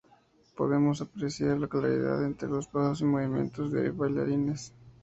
Podemos apreciar la claridad entre los pasos y movimientos de los bailarines.